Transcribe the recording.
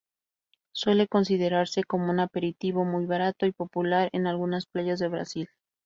Suele considerarse como un aperitivo muy barato y popular en algunas playas de Brasil.